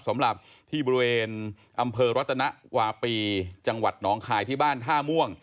สำหรับที่บริเวณอำเภอรัตนวาปีจังหวัดหนองคายที่บ้านท่าม่วง